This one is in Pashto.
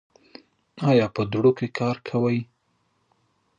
ایا په دوړو کې کار کوئ؟